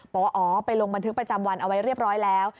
บอกว่าอ๋อไปลงบันทึกประจำวันเอาไว้เรียบร้อยแล้ว